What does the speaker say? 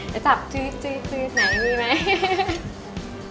จะจับจึ๊บไหนมีไหม